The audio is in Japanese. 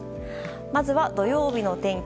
まずは土曜日の天気